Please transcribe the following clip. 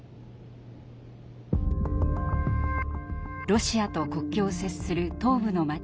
ロシアと国境を接する東部の街